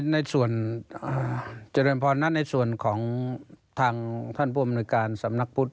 ในส่วนเจริญพรนั้นในส่วนของทางท่านผู้อำนวยการสำนักพุทธ